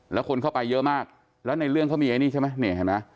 แล้วคนเข้าไปเยอะมากแล้วในเรื่องเขามีไอ้นี่ใช่ไหม